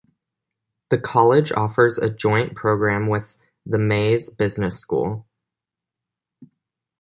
The college offers a joint program with the Mays Business School.